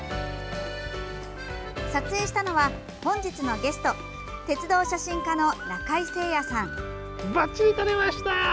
撮影したのは本日のゲスト鉄道写真家の中井精也さん。